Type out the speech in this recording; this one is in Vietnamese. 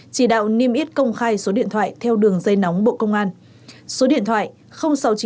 chỉ đạo niêm ít công khai số điện thoại theo đường dây nóng bộ công an số điện thoại sáu trăm chín mươi hai ba trăm hai mươi sáu năm trăm năm mươi năm